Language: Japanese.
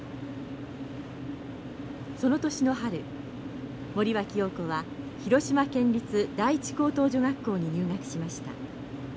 その年の春森脇瑤子は広島県立第一高等女学校に入学しました。